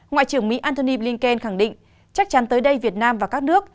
ngoại trưởng mỹ antony blinken khẳng định chắc chắn tới đây việt nam và các nước